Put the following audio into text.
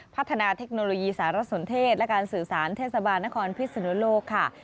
พัฒนาเทคโนโลยีสารสนเทศและการสื่อสารเทศบาลนครพิศนุโลกค่ะ